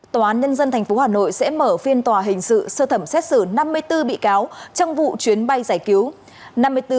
tòa án nhân dân tp hà nội sẽ mở phiên tòa hình sự sơ thẩm xét xử năm mươi bốn bị cáo trong vụ chuyến bay giải cứu